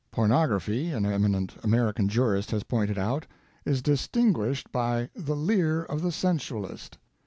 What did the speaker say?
Pornography, an eminent American jurist has pointed out, is distinguished by the "leer of the sensualist."